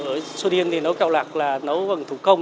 ở sô điên thì nấu kẹo lạc là nấu bằng thủ công